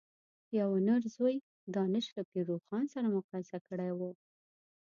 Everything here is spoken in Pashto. یوه نر ځوی دانش له پير روښان سره مقايسه کړی و.